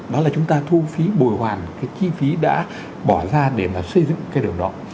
đó là chúng ta thu phí bồi hoàn cái chi phí đã bỏ ra để mà xây dựng cái điều đó